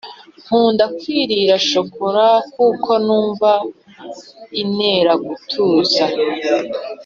Nkunda kwirira shokola kuko numva inera gutuza